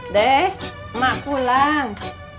deh emak pulang